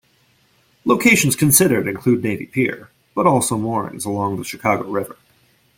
Locations considered include Navy Pier, but also moorings along the Chicago River.